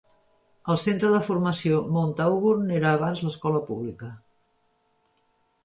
El Centre de Formació Mount Auburn era abans l'escola pública.